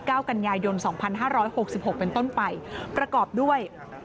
ก้ากันยายน๒๕๖๖เป็นต้นไปประกอบด้วย